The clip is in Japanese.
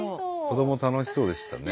子ども楽しそうでしたね。